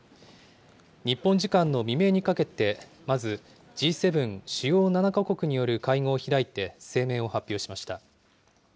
日本時間の未明にかけて、まずＧ７・主要７か国による会合を開いて声明を発表しました。